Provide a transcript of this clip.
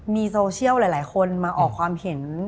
มีโซเชียลหลายคนมาออกความเห็น